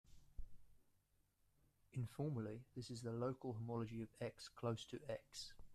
Informally, this is the "local" homology of "X" close to "x".